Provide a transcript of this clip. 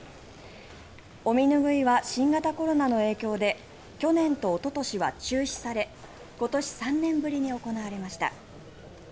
お身拭いは新型コロナの影響で去年とおととしは中止され今年３年ぶりに行われました。